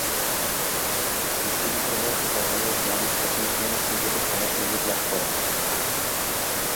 বিশ্ববিদ্যালয়ে থাকাকালে গ্র্যান্ট প্রথম-শ্রেণীর ক্রিকেটে খেলার সুযোগ লাভ করেন।